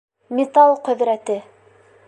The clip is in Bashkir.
Металл ҡөҙрәте